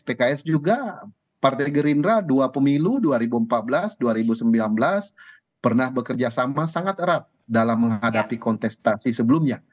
pks juga partai gerindra dua pemilu dua ribu empat belas dua ribu sembilan belas pernah bekerja sama sangat erat dalam menghadapi kontestasi sebelumnya